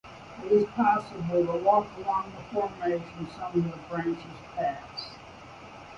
It is possible to walk along the formation of some of the branch's path.